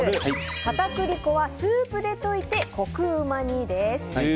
片栗粉はスープで溶いてコクうまにです。